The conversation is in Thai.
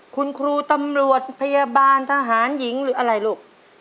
คุณครูตำรวจพยาบาลทหารหญิงหรืออะไรลูก